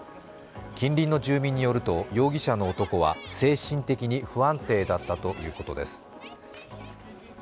近隣の住民によると、容疑者の男は精神的に不安定だったということです。